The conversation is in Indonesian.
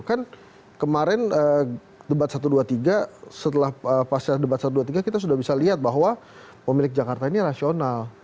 kan kemarin debat satu dua tiga setelah pasca debat satu ratus dua puluh tiga kita sudah bisa lihat bahwa pemilik jakarta ini rasional